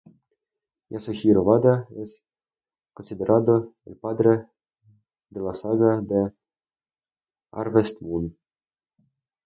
Yasuhiro Wada es considerado el padre de la saga de Harvest Moon.